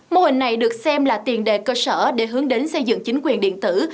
mô hình này được xem là tiền đề cơ sở để hướng đến xây dựng chính quyền điện tử